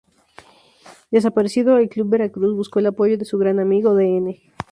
Desaparecido el Club Veracruz, buscó el apoyo de su gran amigo Dn.